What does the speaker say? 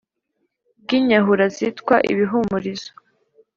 bwi nyahura zitwa ibihumurizo.